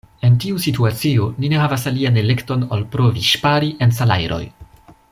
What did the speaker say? En tiu situacio ni ne havas alian elekton ol provi ŝpari en salajroj.